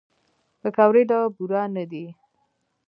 پکورې له بوره نه دي